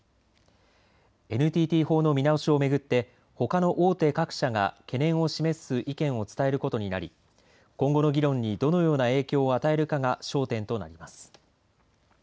ＮＴＴ法の見直しを巡ってほかの大手各社が懸念を示す意見を伝えることになり今後の議論に、どのような影響を与えるかが焦点となります。